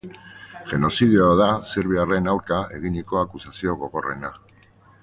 Genozidioa da serbiarren aurka eginiko akusazio gogorrena.